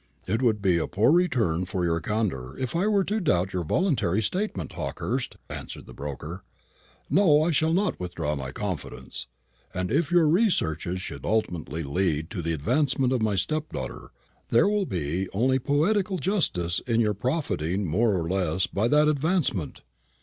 "It would be a poor return for your candour if I were to doubt your voluntary statement, Hawkehurst," answered the stockbroker. "No; I shall not withdraw my confidence. And if your researches should ultimately lead to the advancement of my stepdaughter, there will be only poetical justice in your profiting more or less by that advancement.